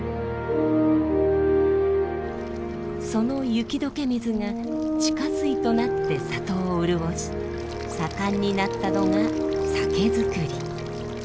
その雪解け水が地下水となって里を潤し盛んになったのが酒造り。